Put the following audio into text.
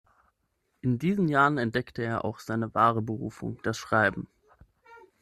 In diesen Jahren entdeckte er auch seine wahre Berufung, das Schreiben.